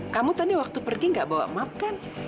kamu tadi waktu pergi nggak bawa map kan